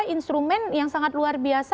instrumen yang sangat luar biasa